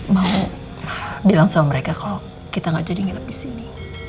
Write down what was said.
mau bilang sama mereka kalau kita gak jadi ngelap disini